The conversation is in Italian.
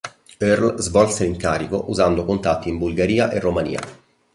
Earle svolse l'incarico usando contatti in Bulgaria e in Romania.